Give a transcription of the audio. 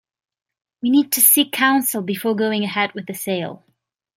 We need to seek counsel before going ahead with the sale.